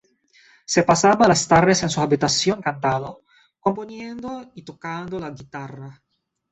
Se pasaba las tardes en su habitación cantando, componiendo y tocando la guitarra.